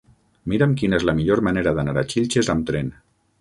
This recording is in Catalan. Mira'm quina és la millor manera d'anar a Xilxes amb tren.